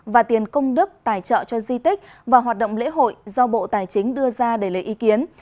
và tiền công đức tài trợ cho di tích và hoạt động lễ hội do bộ tài chính đưa ra để lấy ý kiến